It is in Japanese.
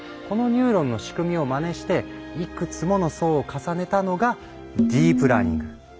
このニューロンの仕組みをマネしていくつもの層を重ねたのがディープラーニング。